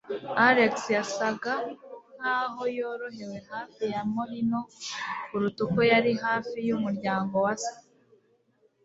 Alex yasaga nkaho yorohewe hafi ya Morino kuruta uko yari hafi yumuryango wa se.